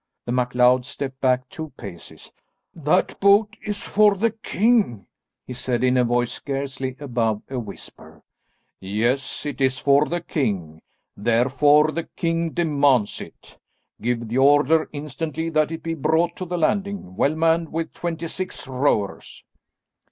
The MacLeod stepped back two paces. "That boat is for the king," he said in a voice scarcely above a whisper. "Yes, it is for the king, therefore the king demands it. Give the order instantly that it be brought to the landing, well manned with twenty six rowers."